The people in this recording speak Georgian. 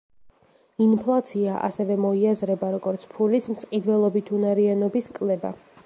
ინფლაცია ასევე მოიაზრება, როგორც ფულის მსყიდველობითუნარიანობის კლება.